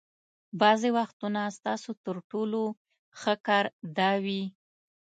بعضې وختونه ستاسو تر ټولو ښه کار دا وي.